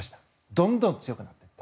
どんどん強くなっていった。